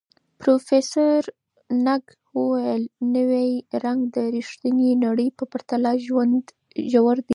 پروفیسر نګ وویل، نوی رنګ د ریښتیني نړۍ په پرتله ژور دی.